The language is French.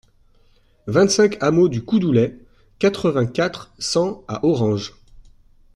vingt-cinq hameau du Coudoulet, quatre-vingt-quatre, cent à Orange